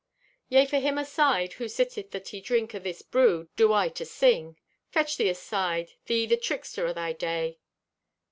"Yea, for him aside who sitteth that he drink o' this brew do I to sing; fetch thee aside, thee the trickster o' thy day!"